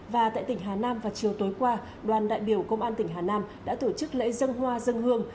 và tại tỉnh hà nam vào chiều tối qua đoàn đại biểu công an tỉnh hà nam đã tổ chức lễ dân hoa dân hương